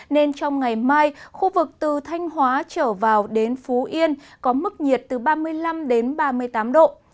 nên trong ngày mai khu vực từ thanh hóa trở vào đến phú yên có mức nhiệt từ ba mươi năm đến ba mươi tám độ